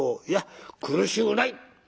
「いや苦しゅうない！」。